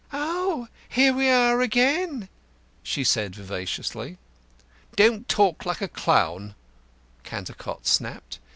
"Oh! Here we are again!" she said vivaciously. "Don't talk like a clown," Cantercot snapped.